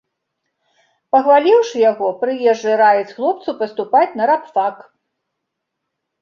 Пахваліўшы яго, прыезджы раіць хлопцу паступаць на рабфак.